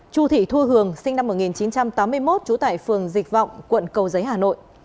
chu thị thu hường sinh năm một nghìn chín trăm tám mươi một trú tại phường dịch vọng quận cầu giấy hà nội